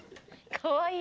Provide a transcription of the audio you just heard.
かわいい！